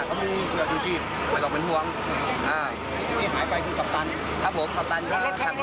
ครับผมแก๊ปตันกลับทะเล